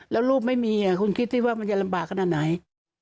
แล้วลูกไม่มีคุณคิดสิว่ามันจะลำบากขนาดไหน